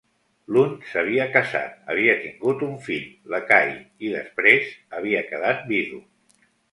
L'un s'havia casat, havia tingut un fill, l'Ekahi, i després havia quedat vidu.